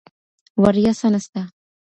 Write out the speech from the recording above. وړیا څه نسته.